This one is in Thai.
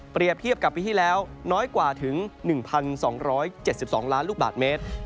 เทียบกับปีที่แล้วน้อยกว่าถึง๑๒๗๒ล้านลูกบาทเมตร